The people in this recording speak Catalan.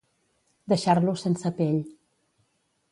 Deixar-lo sense pell.